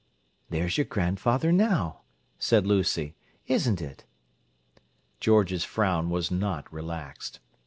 "There's your grandfather now," said Lucy. "Isn't it?" George's frown was not relaxed.